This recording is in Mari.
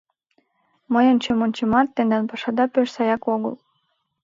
Мый ончем-ончемат, тендан пашада пеш саяк огыл...